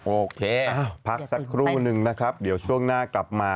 โอเคพักสักครู่นึงนะครับเดี๋ยวช่วงหน้ากลับมา